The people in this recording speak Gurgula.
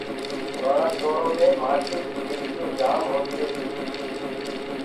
پُرآڻآ دورو مي مآٽيو ڪي ديگڙيونٚ جآم هونديونٚ تي۔